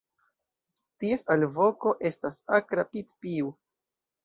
Ties alvoko estas akra "pit-piu".